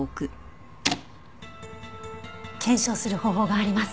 検証する方法があります。